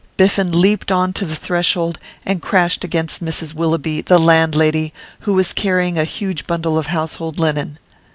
Biffen leaped on to the threshold, and crashed against Mrs Willoughby, the landlady, who was carrying a huge bundle of household linen.